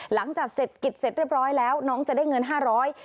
หลังจากเสร็จกิจเสร็จเรียบร้อยแล้วน้องจะได้เงิน๕๐๐บาท